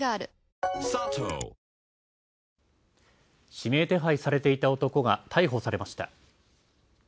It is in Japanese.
指名手配されていた男が逮捕されました。